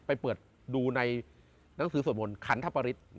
ไปดูหนังสือสวดมนต์ขันทัฟปริศ